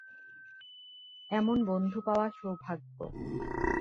এমন বন্ধু পাওয়া সৌভাগ্য।